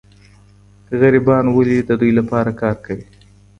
غریبان ولي د دوی لپاره کار کوي؟